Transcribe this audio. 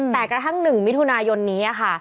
แต่กระทั่ง๑มิถุนายนนี้ค่ะ